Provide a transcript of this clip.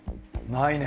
ないね！